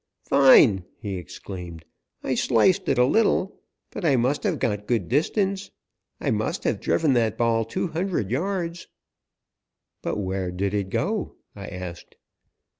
"Fine!" he exclaimed. "I sliced it a little, but I must have got good distance. I must have driven that ball two hundred yards." "But where did it go?" I asked.